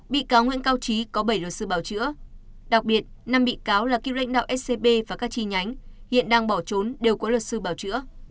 bị cáo nguyễn cao trí có bảy luật sư bảo chữa đặc biệt năm bị cáo là cựu lãnh đạo scb và các chi nhánh hiện đang bỏ trốn đều có luật sư bảo chữa